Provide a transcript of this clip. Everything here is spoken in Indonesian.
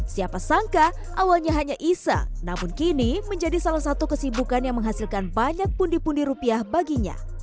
siapa sangka awalnya hanya isa namun kini menjadi salah satu kesibukan yang menghasilkan banyak pundi pundi rupiah baginya